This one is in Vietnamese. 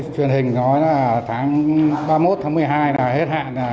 truyền hình nói là tháng ba mươi một tháng một mươi hai là hết hạn